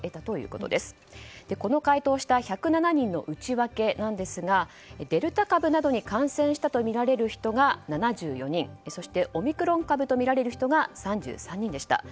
これに回答した１０７人の内訳ですがデルタ株などに感染したとみられる人が７４人オミクロン株とみられる人が３３人でした。